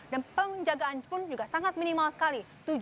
dan penjagaan pun juga sangat minimal sekali